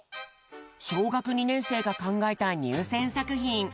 しょうがく２ねんせいがかんがえたにゅうせんさくひん。